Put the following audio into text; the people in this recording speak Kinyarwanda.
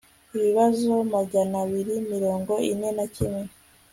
ibibazo magana abiri na mirongo ine na kimwe